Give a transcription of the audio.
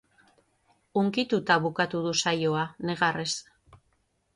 Hunkituta bukatu du saioa, negarrez.